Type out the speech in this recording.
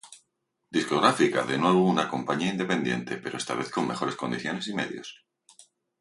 Discográfica, de nuevo una compañía independiente, pero esta vez con mejores condiciones y medios.